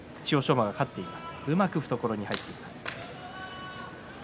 馬が勝っています。